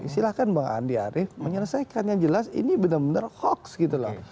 silahkan bang andi arief menyelesaikan yang jelas ini benar benar hoax gitu loh